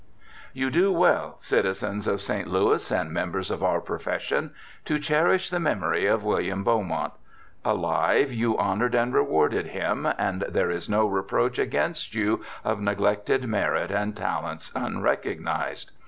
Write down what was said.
You do well, citizens of St. Louis and members of our profession, to cherish the memory of William Beaumont. Alive you honoured and rewarded him, and there is no reproach against you of neglected merit and talents unrecognized.